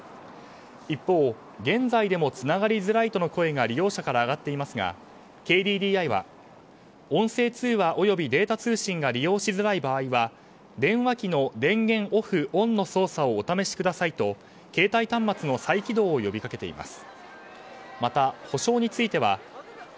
一方、現在でもつながりづらいとの声が利用者から上がっていますがＫＤＤＩは音声通話及びデータ通信が利用しづらい場合は電話機の電源オフ、オンの操作をお試しくださいと携帯端末の再起動を呼びかけています。